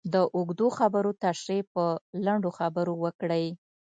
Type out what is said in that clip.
د اوږدو خبرو تشرېح په لنډو خبرو وکړئ.